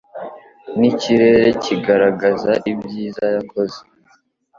n’ikirere kikagaragaza ibyiza yakoze